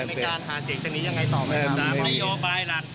แต่โอเคคุณค่ะสามารถนำใครชนะให้ได้ใช่ไหมคะหมายถึง